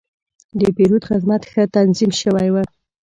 د پیرود خدمت ښه تنظیم شوی و.